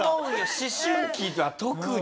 思春期は特に。